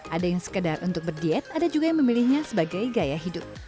ada yang sekedar untuk berdiet ada juga yang memilihnya sebagai gaya hidup